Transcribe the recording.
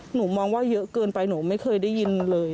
หนูมองว่าเยอะเกินไปหนูไม่เคยได้ยินเลย